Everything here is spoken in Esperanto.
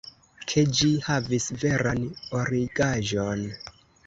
ke ĝi havis veran origaĵon.